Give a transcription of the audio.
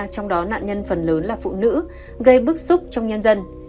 trong đó nạn nhân phần lớn là phụ nữ gây bức xúc trong nhân dân